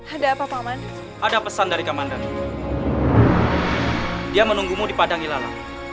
ada apa pak man ada pesan dari kaman dan dia menunggu di padang ilala